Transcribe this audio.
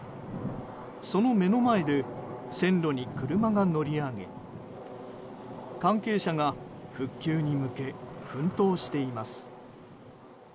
その目の前で線路に車が乗り上げ関係者が復旧に向け奮闘しています。